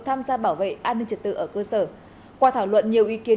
tham gia bảo vệ an ninh trật tự ở cơ sở qua thảo luận nhiều ý kiến